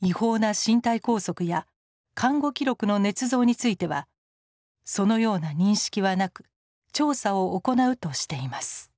違法な身体拘束や看護記録のねつ造についてはそのような認識はなく調査を行うとしています。